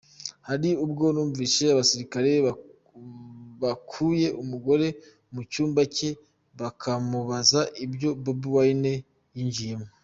Hari ubwo numvise abasirikare bakuye umugore mu cyumba cye bakamubaza icyo Bobi Wine yinjiyemo.